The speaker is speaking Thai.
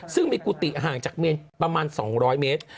ซึ่งมีกุฏิห่างจากเมนประมาณ๒๐๐เมตร